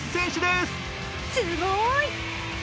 すごーい。